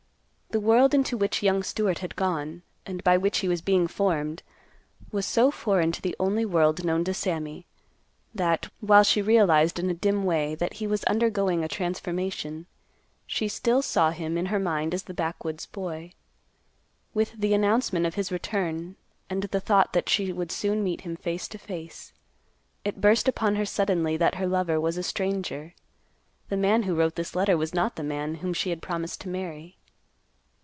The world into which young Stewart had gone, and by which he was being formed, was so foreign to the only world known to Sammy, that, while she realized in a dim way that he was undergoing a transformation, she still saw him in her mind as the backwoods boy. With the announcement of his return, and the thought that she would soon meet him face to face, it burst upon her suddenly that her lover was a stranger. The man who wrote this letter was not the man whom she had promised to marry.